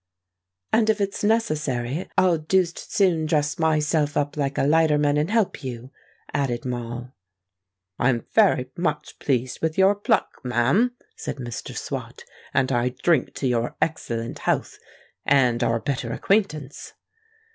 "And if it's necessary, I'll deuced soon dress myself up like a lighterman and help you," added Moll. "I am very much pleased with your pluck, ma'am," said Mr. Swot; "and I drink to your excellent health—and our better acquaintance."